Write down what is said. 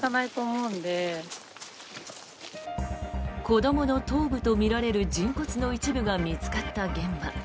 子どもの頭部とみられる人骨の一部が見つかった現場。